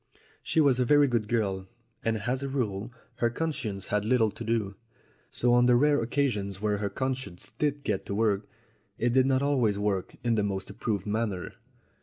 She was a very good girl, and as a rule her conscience had little to do; so on the rare occasions when her conscience did get to work, it did not always work in the most approved manner.